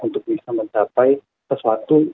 untuk bisa mencapai sesuatu